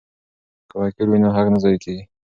که وکیل وي نو حق نه ضایع کیږي.